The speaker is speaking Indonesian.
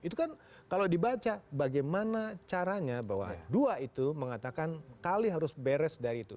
itu kan kalau dibaca bagaimana caranya bahwa dua itu mengatakan kali harus beres dari itu